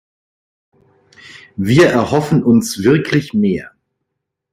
Wir erhoffen uns wirklich mehr.